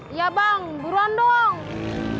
iya bang buruan doang